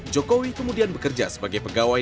jokowi kemudian bekerja sebagai pegawai